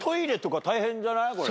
これ。